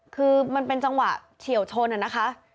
คือมันเป็นจังหวะเฉียวชนนะคะ